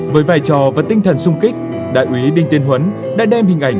với vai trò vật tinh thần sung kích đại ủy đinh tiên huấn đã đem hình ảnh